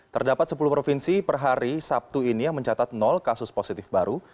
terdapat sepuluh provinsi per hari sabtu ini yang mencatat kasus positif baru